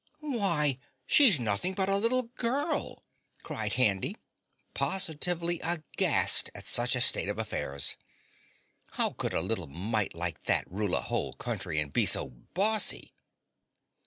"Why she's nothing but a little girl!" cried Handy, positively aghast at such a state of affairs. "How could a little mite like that rule a whole country and be so bossy?"